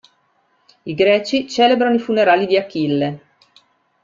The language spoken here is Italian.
I Greci celebrano i funerali di Achille.